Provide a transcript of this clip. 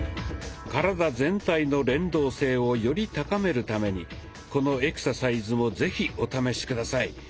体全体の連動性をより高めるためにこのエクササイズも是非お試し下さい。